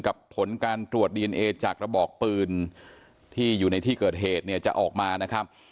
ผลการตรวจดีเอนเอจากระบอกปืนที่อยู่ในที่เกิดเหตุเนี่ยจะออกมานะครับ